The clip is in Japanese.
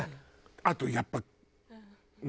あとやっぱ。